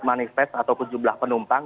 manifest ataupun jumlah penumpang